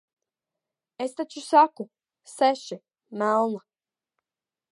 Es taču saku - seši, melna.